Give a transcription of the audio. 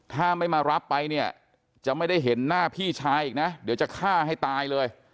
ถ้าไม่มารับไปเนี่ยจะไม่ได้เห็นหน้าพี่ชายอีกนะเดี๋ยวจะฆ่าให้ตายเลย